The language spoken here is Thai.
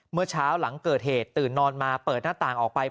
เมื่อเช้าหลังเกิดเหตุตื่นนอนมาเปิดหน้าต่างออกไป